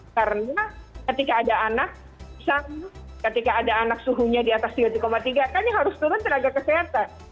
karena ketika ada anak misalnya ketika ada anak suhunya di atas tiga puluh tujuh tiga kan yang harus turun tenaga kesehatan